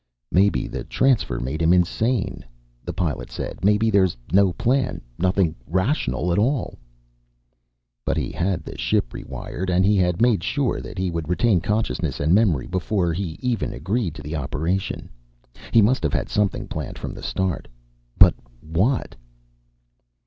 "Maybe the transfer made him insane," the Pilot said. "Maybe there's no plan, nothing rational at all." "But he had the ship rewired, and he had made sure that he would retain consciousness and memory before he even agreed to the operation. He must have had something planned from the start. But what?"